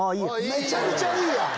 めちゃめちゃいいやん！